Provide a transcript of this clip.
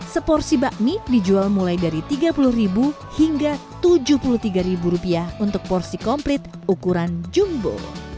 seporsi bakmi dijual mulai dari rp tiga puluh hingga rp tujuh puluh tiga untuk porsi komplit ukuran jumbo